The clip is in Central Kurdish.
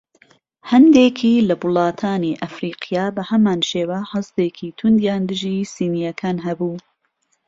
هەندێکی لە وڵاتانی ئەفریقیا بەهەمان شێوە هەستێکی توندیان دژی سینیەکان هەبوو.